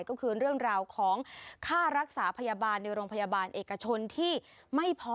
ก็คือเรื่องราวของค่ารักษาพยาบาลในโรงพยาบาลเอกชนที่ไม่พอ